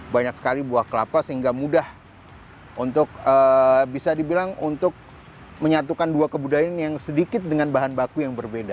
banyak sekali buah kelapa sehingga mudah untuk bisa dibilang untuk menyatukan dua kebudayaan yang sedikit dengan bahan baku yang berbeda